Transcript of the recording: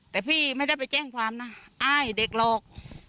แต่พี่ไม่ได้ไปแจ้งความนะอ้ายเด็กหรอก